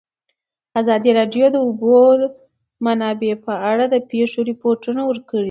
ازادي راډیو د د اوبو منابع په اړه د پېښو رپوټونه ورکړي.